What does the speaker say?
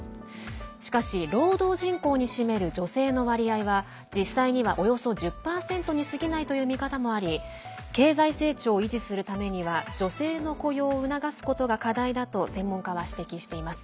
しかし、労働人口における女性の割合は、実際にはおよそ１０％にすぎないという見方もあり経済成長を維持するためには女性の雇用を促すことが課題だと専門家は指摘しています。